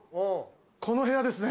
この部屋ですね。